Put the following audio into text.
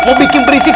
mau bikin berisik